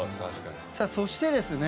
さあそしてですね